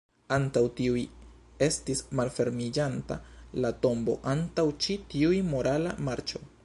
Antaŭ tiuj estis malfermiĝanta la tombo, antaŭ ĉi tiuj morala marĉo.